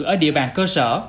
ở địa bàn cơ sở